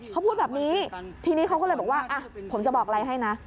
เขาพูดแบบนี้ทีนี้เขาก็เลยบอกว่าผมจะบอกอะไรให้นะ